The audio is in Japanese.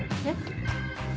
えっ？